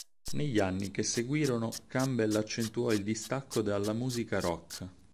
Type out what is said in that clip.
Negli anni che seguirono, Campbell accentuò il distacco dalla musica rock.